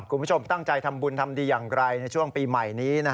คุณผู้ชมตั้งใจทำบุญทำดีอย่างไรในช่วงปีใหม่นี้